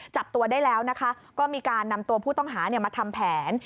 จับตัวได้แล้วนะคะก็มีการนำตัวผู้ต้องหามาทำแผน